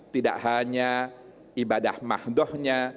tidak hanya ibadah mahdohnya